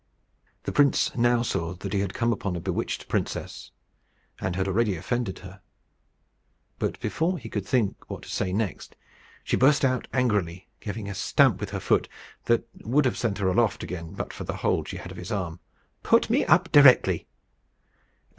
The prince now saw that he had come upon the bewitched princess, and had already offended her. But before he could think what to say next, she burst out angrily, giving a stamp with her foot that would have sent her aloft again but for the hold she had of his arm, "Put me up directly."